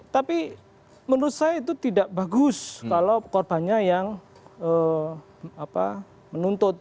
tapi menurut saya itu tidak bagus kalau korbannya yang menuntut